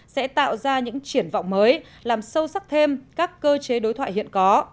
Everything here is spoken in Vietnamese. sẽ tạo ra những triển vọng mới làm sâu sắc thêm các cơ chế đối thoại hiện có